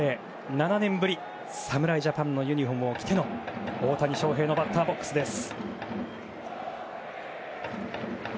７年ぶり、侍ジャパンのユニホームを着ての大谷翔平のバッターボックスです。